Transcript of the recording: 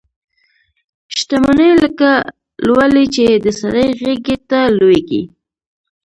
شته مني لکه لولۍ چي د سړي غیږي ته لویږي